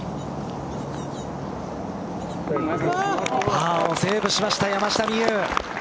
パーをセーブしました山下美夢有。